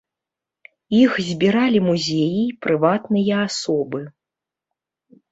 Іх збіралі музеі і прыватныя асобы.